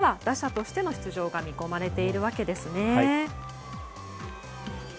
決勝では打者としての出場が見込まれているわけですね。